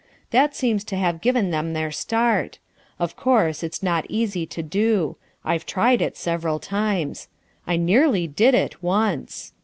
That seems to have given them their start. Of course, it's not easy to do. I've tried it several times. I nearly did it once.